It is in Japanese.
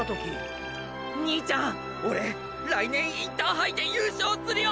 兄ちゃんオレ来年インターハイで優勝するよ！！